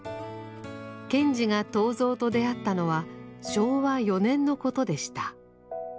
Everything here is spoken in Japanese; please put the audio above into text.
賢治が東蔵と出会ったのは昭和４年のことでした。